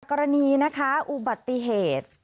กรณีนะคะอุบัติเหตุ